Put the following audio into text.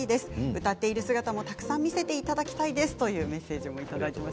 歌っている姿も、たくさん見せていただきたいですというメッセージもいただいています。